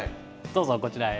どうぞこちらへ。